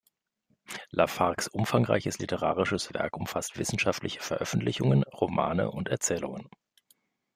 La Farges umfangreiches literarisches Werk umfasst wissenschaftliche Veröffentlichungen, Romane und Erzählungen.